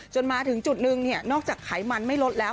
มาถึงจุดนึงนอกจากไขมันไม่ลดแล้ว